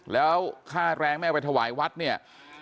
แล้วฆ่าแรงแม่ไวทวายวัดเนี่ย